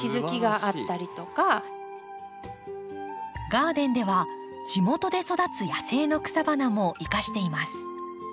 ガーデンでは地元で育つ野生の草花も生かしています。